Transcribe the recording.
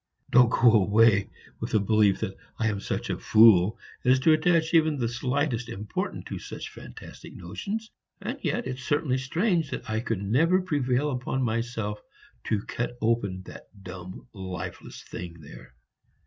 Don't go away with the belief that I am such a fool as to attach even the slightest importance to such fantastic notions, and yet it's certainly strange that I could never prevail upon myself to cut open that dumb lifeless thing there.